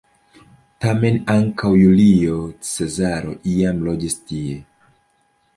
Tamen ankaŭ Julio Cezaro iam loĝis tie.